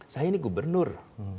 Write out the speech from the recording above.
saya ini gubernur